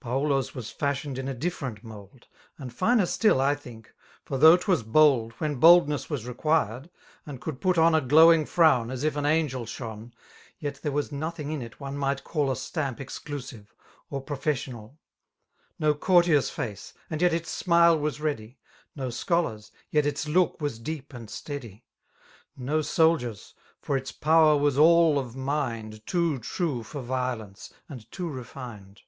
Paulo's was fashioned in a different mould. And finer still, I think $ for though 'twas b(dd. When boldneas was required, and could put on A glowing frown, as if an angel shone. Yet there was nothing in it one might call A stamp exclusive, or professional, ^ No courtier's face, and yet its smils was ready,*^ No scholar's, yet its look was deep and steady,*— 46 No soldier's, for its power was all of mlnd^ Too true for yiolence, and too refined.